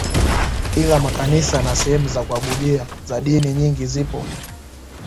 Ila makanisa na sehemu za kuabudia za dini nyingine zipo